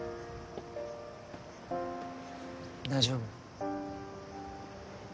大丈夫？